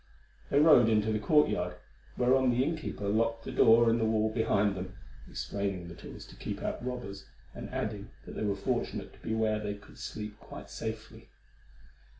They rode into the courtyard, whereon the inn keeper locked the door in the wall behind them, explaining that it was to keep out robbers, and adding that they were fortunate to be where they could sleep quite safely.